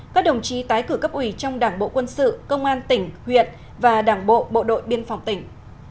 các đồng chí tái cử cấp ủy trong đảng bộ quân sự công an tỉnh huyện và đảng bộ bộ đội biên phòng tỉnh